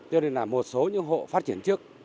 cho nên là một số những hộ phát triển trước